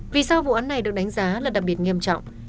vì sao vụ án này được đánh giá là đặc biệt nghiêm trọng